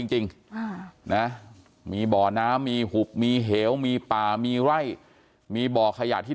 จริงนะมีบ่อน้ำมีหุบมีเหวมีป่ามีไร่มีบ่อขยะที่